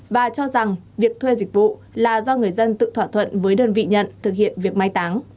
và cho rằng việc thuê dịch vụ là do người dân tự thỏa thuận với đơn vị nhận thực hiện việc mai táng